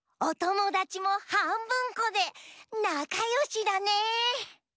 おともだちもはんぶんこでなかよしだね！